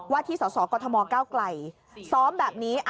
วาทีสาวกรทมเก้าไกลซ้อมแบบนี้